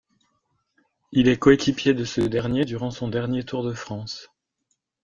Il est coéquipier de ce dernier durant son dernier Tour de France.